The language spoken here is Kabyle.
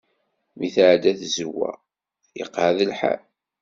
Mi tɛedda tzawwa, iqeɛɛed lḥal.